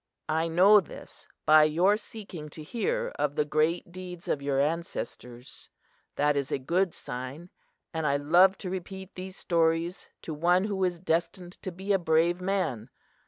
I know this by your seeking to hear of the great deeds of your ancestors. That is a good sign, and I love to repeat these stories to one who is destined to be a brave man.